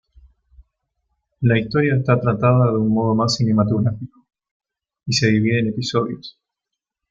La historia está tratada de un modo más cinematográfico, y se divide en episodios.